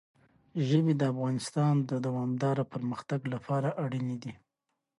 ژبې د افغانستان د دوامداره پرمختګ لپاره اړین دي.